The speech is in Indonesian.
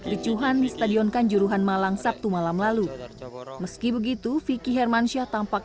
ricuhan di stadion kanjuruhan malang sabtu malam lalu meski begitu vicky hermansyah tampak